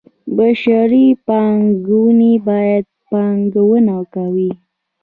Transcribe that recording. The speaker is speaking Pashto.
بشري پانګې باندې پانګونه کوي.